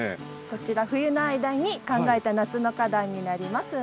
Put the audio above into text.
こちら冬の間に考えた夏の花壇になります。